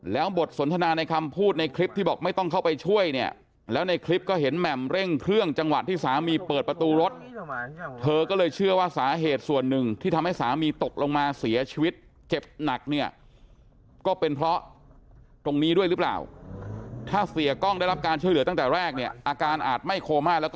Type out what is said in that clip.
แล้วบทสนทนาในคำพูดในคลิปที่บอกไม่ต้องเข้าไปช่วยเนี่ยแล้วในคลิปก็เห็นแหม่มเร่งเครื่องจังหวะที่สามีเปิดประตูรถเธอก็เลยเชื่อว่าสาเหตุส่วนหนึ่งที่ทำให้สามีตกลงมาเสียชีวิตเจ็บหนักเนี่ยก็เป็นเพราะตรงนี้ด้วยหรือเปล่าถ้าเสียกล้องได้รับการช่วยเหลือตั้งแต่แรกเนี่ยอาการอาจไม่โคม่าแล้วก็